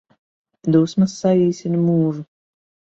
Dusmas saīsina mūžu